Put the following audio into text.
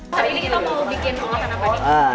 ini kita mau bikin apa